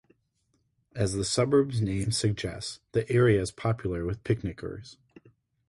As the suburb's name suggests, the area is popular with picnickers.